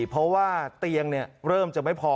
เพราะว่าเตียงเริ่มจะไม่พอ